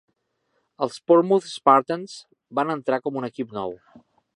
Els Portsmouth Spartans van entrar com un equip nou.